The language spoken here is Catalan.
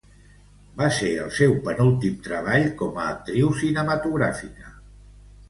Va ser el seu penúltim treball com a actriu cinematogràfica.